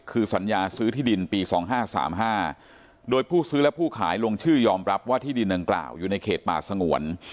คือสัญญาซื้อที่ดินปี๒๕๓๕โดยผู้ซื้อและผู้ขายลงชื่อยอมรับว่าที่ดินดังกล่าวอยู่ในเขตป่าสงวน